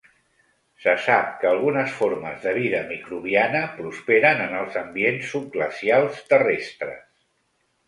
Se sap que algunes formes de vida microbiana prosperen en els ambients subglacials terrestres.